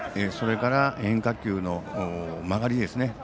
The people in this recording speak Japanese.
それから変化球の曲がりですね。